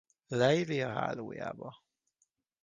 Leiria hálójába.